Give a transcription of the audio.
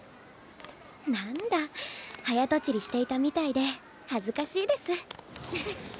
何だ早とちりしていたみたいで恥ずかしいです